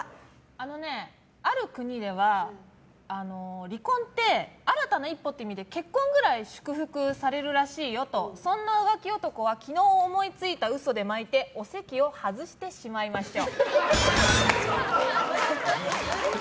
あのね、ある国では離婚って新たな一歩って意味で結婚くらい祝福されるらしいよとそんな浮気男は昨日思いついた嘘で巻いておせきを外してしまいましょう。